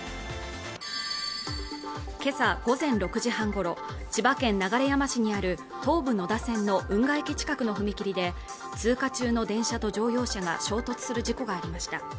今朝午前６時半ごろ千葉県流山市にある東武野田線の運河駅近くの踏切で通過中の電車と乗用車が衝突する事故がありました